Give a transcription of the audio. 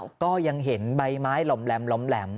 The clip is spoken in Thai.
แต่ก็ยังเห็นใบไม้ล้มแหลม